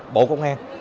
bộ công an